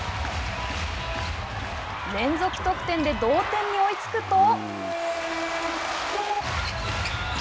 連続得点で同点に追いつくと。